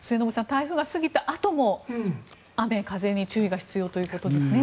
台風が過ぎたあとも雨風に注意が必要ということですね。